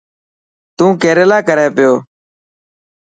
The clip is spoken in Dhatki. تو ڪيريلا ڪري پيو.